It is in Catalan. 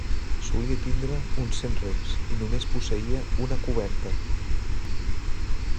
Solia tindre uns cent rems i només posseïa una coberta.